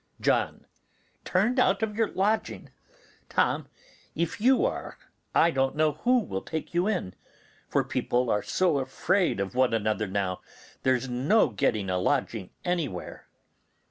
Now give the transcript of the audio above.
John. Turned out of your lodging, Tom! If you are, I don't know who will take you in; for people are so afraid of one another now, there's no getting a lodging anywhere.